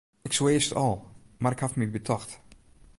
It soe earst al, mar ik haw my betocht.